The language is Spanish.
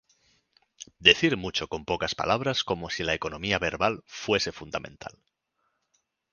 Decir mucho con pocas palabras como si la economía verbal fuese fundamental.